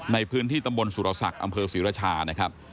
ในพื้นที่ตำบลสุรสักอำเภอสิรชา